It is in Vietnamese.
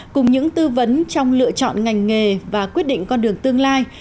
cùng những tư vấn trong lựa chọn ngành nghề và quyết định con đường tương lai